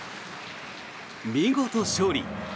見事、勝利。